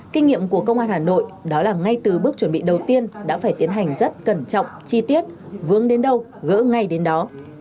kinh nghiệm của công an hà nội đó là ngay từ bước chuẩn bị đầu tiên đã phải tiến hành rất cẩn trọng chi tiết vướng đến đâu gỡ ngay đến đó